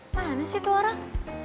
mana sih itu orang